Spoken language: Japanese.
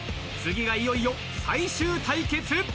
［次がいよいよ最終対決］